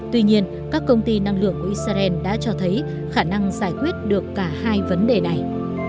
tuy nhiên các công ty năng lượng của israel đã cho thấy khả năng giải quyết được cả hai vấn đề này